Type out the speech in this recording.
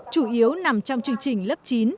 chủ yếu nằm trong chương trình lớp chín